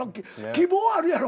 希望あるやろ？